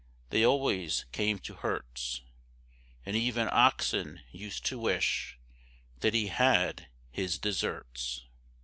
They always came to Herts; And even Oxon used to wish That he had his deserts.